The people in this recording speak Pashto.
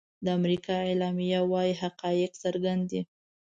د امریکا اعلامیه وايي حقایق څرګند دي.